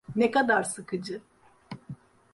Ne kadar sıkıcı.